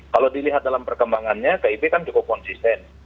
kalau dilihat dalam perkembangannya kib kan cukup konsisten